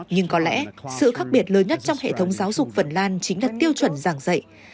nhưng có lẽ sự khác biệt lớn nhất trong hệ thống giáo dục phần lan chính là tiêu chuẩn giảng dạy